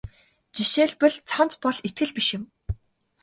Жишээлбэл цамц бол итгэл биш юм.